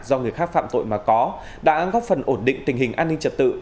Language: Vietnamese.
do người khác phạm tội mà có đã góp phần ổn định tình hình an ninh trật tự